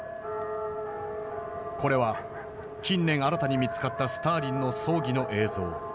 これは近年新たに見つかったスターリンの葬儀の映像。